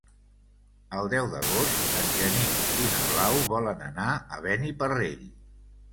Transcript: El deu d'agost en Genís i na Blau volen anar a Beniparrell.